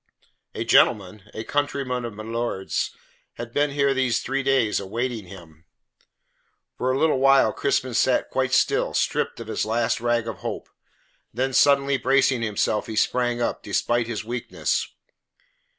"A gentleman a countryman of milord's has been here these three days awaiting him." For a little while Crispin sat quite still, stripped of his last rag of hope. Then suddenly bracing himself, he sprang up, despite his weakness.